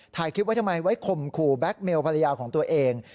ถ่ายคลิปไว้ทำไมไว้ข่มขู่แก๊คเมลภรรยาของตัวเอง